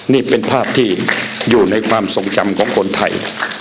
นี่เป็นภาพที่อยู่ในความทรงจำของคนไทย